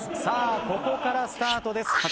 さあここからスタートです。